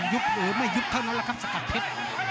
ยุบหรือไม่ยุบเขานะครับสกัดเผ็ด